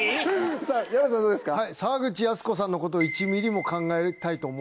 さぁ山ちゃんどうですか？